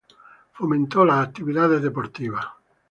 Fomentó las actividades deportivas.